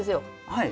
はい。